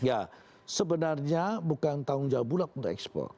ya sebenarnya bukan tanggung jawab bulog untuk ekspor